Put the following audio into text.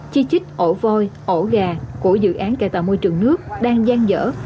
chi trích ổ voi ổ gà của dự án cài tạo môi trường nước đang gian dở